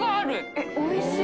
えっおいしい。